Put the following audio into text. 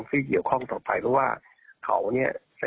ที่เกี่ยวข้องต่อไปเพราะว่าเขาเนี่ย